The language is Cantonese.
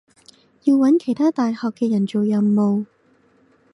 要搵其他大學嘅人做任務